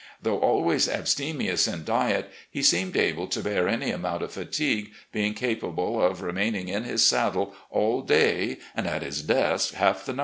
Though always ab stemious in diet, he seemed able to bear any amount of fatigue, being capable of remaining in his saddle all day and at his desk half the night."